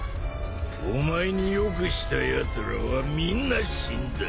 お前に良くしたやつらはみんな死んだ。